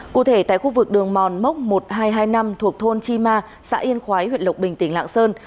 cụ thể tại khu vực đường mòn mốc một nghìn hai trăm hai mươi năm thuộc thôn chi ma xã yên khói huyện lộc bình tỉnh lạng sơn